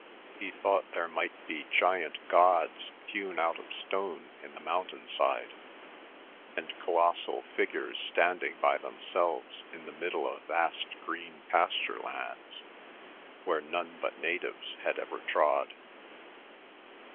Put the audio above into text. He thought there might be giant gods hewn out of stone in the mountain side; and colossal figures standing by themselves in the middle of vast green pasture lands, where none but natives had ever trod.